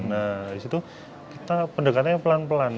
nah di situ pendekatannya pelan pelan